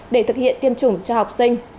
để thực hiện tiêm chủng cho học sinh